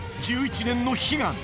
１１年の悲願！